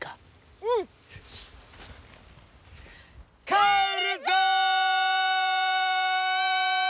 帰るぞ！